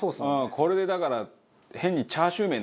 これでだから。